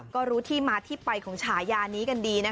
ก็รู้ที่มาที่ไปของฉายานี้กันดีนะคะ